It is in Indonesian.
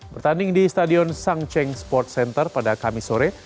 bertanding di stadion shang cheng sports center pada kamis sore